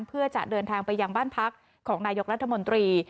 เพื่อจะเดินทางไปยังบ้านพักของนายกรัฐมนตรี